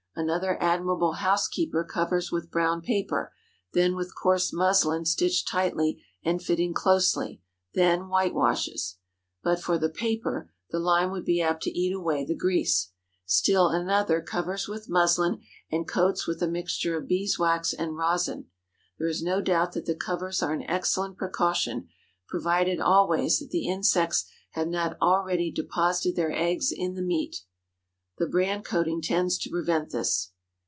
Another admirable housekeeper covers with brown paper, then with coarse muslin stitched tightly and fitting closely, then whitewashes. But for the paper, the lime would be apt to eat away the grease. Still another covers with muslin, and coats with a mixture of bees wax and rosin. There is no doubt that the covers are an excellent precaution—provided always, that the insects have not already deposited their eggs in the meat. The bran coating tends to prevent this.